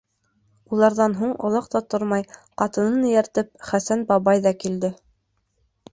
Уларҙан һуң, оҙаҡ та тормай, ҡатынын эйәртеп, Хәсән бабай ҙа килде.